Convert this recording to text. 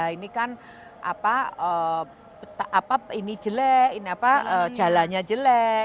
ini kan apa ini jelek ini apa jalannya jelek